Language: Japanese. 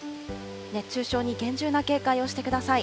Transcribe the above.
熱中症に厳重な警戒をしてください。